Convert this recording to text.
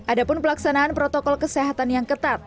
ada pun pelaksanaan protokol kesehatan yang ketat